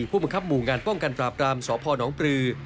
ผู้บังคับหมู่งานป้องกันปราบรามสพนปลือ